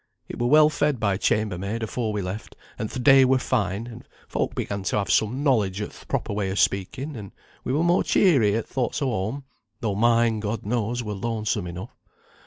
It were well fed by chambermaid afore we left, and th' day were fine, and folk began to have some knowledge o' th' proper way o' speaking, and we were more cheery at thoughts o' home (though mine, God knows, were lonesome enough).